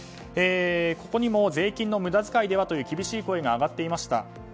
ここにも税金の無駄遣いではとの厳しい声が上がっていました。